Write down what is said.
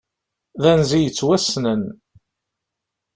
D anzi yettwassnen.